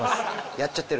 やっちゃってる？